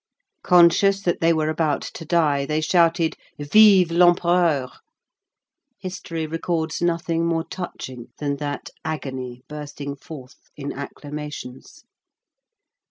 Conscious that they were about to die, they shouted, "Vive l'Empereur!" History records nothing more touching than that agony bursting forth in acclamations.